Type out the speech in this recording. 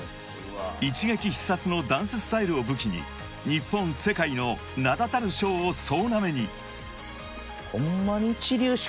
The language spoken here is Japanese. ［一撃必殺のダンススタイルを武器に日本世界の名だたる賞を総なめに］